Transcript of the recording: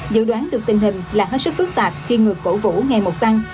dự đoán được tình hình là hết sức phức tạp khi ngược cổ vũ ngày một tăng